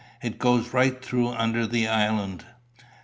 It goes right through under the island."